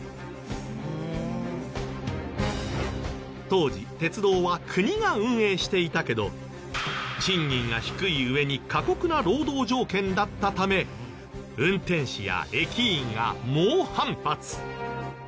当時鉄道は国が運営していたけど賃金が低い上に過酷な労働条件だったため運転士や駅員が猛反発！